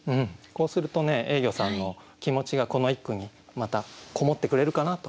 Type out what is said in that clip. こうするとねえいぎょさんの気持ちがこの一句にまたこもってくれるかなと思います。